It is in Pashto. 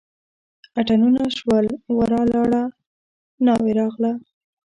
اتڼونه شول ورا لاړه ناوې راغله.